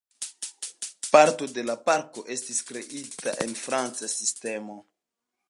Parto de la parko estis kreita en franca sistemo.